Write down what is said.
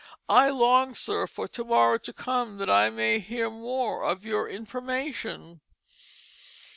"I long, sir, for to morrow to come that I may hear more of your information.